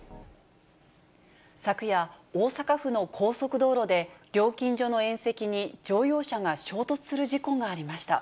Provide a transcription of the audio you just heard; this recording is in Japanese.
昨夜、大阪府の高速道路で、料金所の縁石に乗用車が衝突する事故がありました。